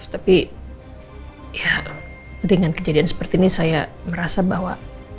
tapi ya dengan kejadian seperti ini saya merasa bahwa